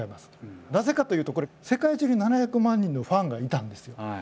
なぜかというと世界中に７００万人のファンがいたんですよ。